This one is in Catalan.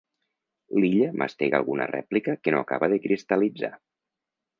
L'Illa mastega alguna rèplica que no acaba de cristal·litzar.